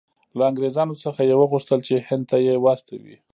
له انګریزانو څخه یې وغوښتل چې هند ته یې واستوي.